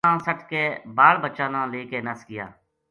اپنا مال نا سَٹ کے بال بچا نا لے نَس گیا